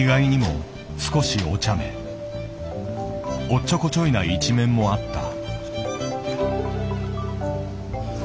おっちょこちょいな一面もあった。